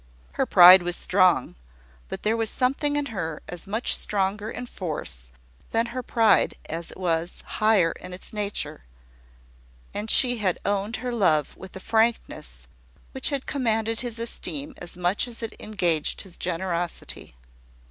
Her pride was strong; but there was something in her as much stronger in force than her pride as it was higher in its nature; and she had owned her love with a frankness which had commanded his esteem as much as it engaged his generosity.